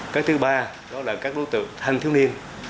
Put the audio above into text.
cái thứ ba đó là các đối tượng thanh thiếu niên